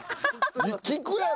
聞くやろ。